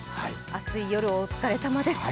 暑い夜、お疲れさまです。